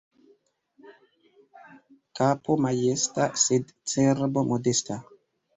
Kapo majesta, sed cerbo modesta.